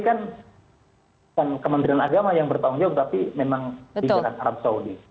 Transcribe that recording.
kan kementerian agama yang bertanggung jawab tapi memang di jalan arab saudi